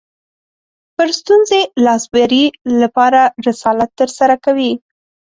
پر ستونزې لاسبري لپاره رسالت ترسره کوي